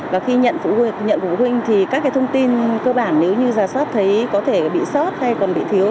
và khi nhận của phụ huynh thì các thông tin cơ bản nếu như ra sót thấy có thể bị sót hay còn bị thiếu